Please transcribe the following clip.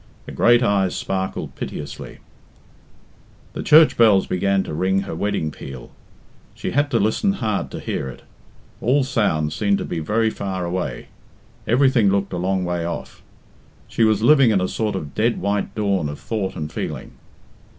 Her great eyes sparkled piteously. The church bells began to ring her wedding peal. She had to listen hard to hear it. All sounds seemed to be very far away; everything looked a long way off. She was living in a sort of dead white dawn of thought and feeling.